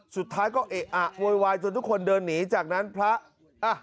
สุดท้ายก็เอะอะโวยวายจนทุกคนเดินหนีจากนั้นพระอ่ะ